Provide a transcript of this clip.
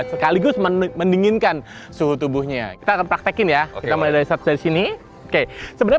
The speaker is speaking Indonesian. sekaligus mendinginkan suhu tubuhnya kita akan praktekin ya kita mulai dari sini oke sebenarnya